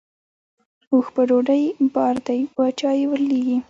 اوښ په ډوډۍ بار دی باچا یې ورلېږي.